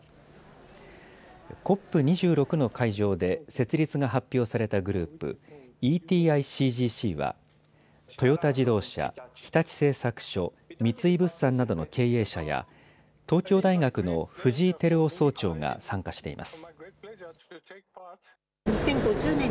ＣＯＰ２６の会場で設立が発表されたグループ、ＥＴＩーＣＧＣはトヨタ自動車、日立製作所、三井物産などの経営者や東京大学の藤井輝夫総長が参加しています。